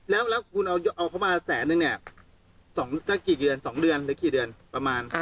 แล้วคุณเอาเขามาแสนนึงเนี่ยสักกี่เดือน๒เดือนหรือกี่เดือนประมาณ